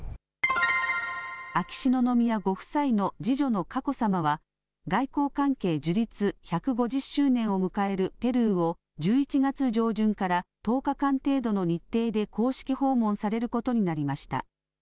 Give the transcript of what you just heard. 秋篠宮ご夫妻の次女の佳子さまは、外交関係樹立１５０周年を迎えるペルーを、１１月上旬から１０日間程度の日程で公式訪問されることになりました。